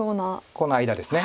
この間ですね。